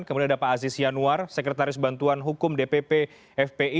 kemudian ada pak aziz yanuar sekretaris bantuan hukum dpp fpi